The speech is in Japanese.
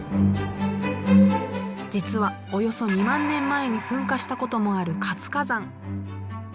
実はおよそ２万年前に噴火したこともある活火山。